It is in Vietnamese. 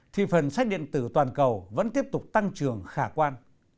thì phần sách điện tử toàn cầu vẫn tiếp tục tăng trường khả quan